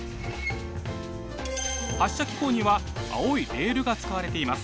発射機構には青いレールが使われています。